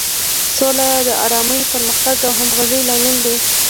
سوله د ارامۍ، پرمختګ او همغږۍ لامل ده.